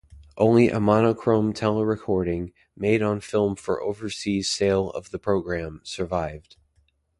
Only a monochrome telerecording, made on film for overseas sale of the programme, survived.